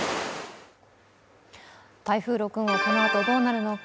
台風６号、このあとどうなるのか。